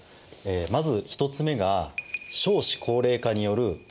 まず１つ目が「少子高齢化による人口減少」。